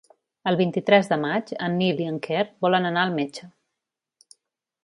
El vint-i-tres de maig en Nil i en Quer volen anar al metge.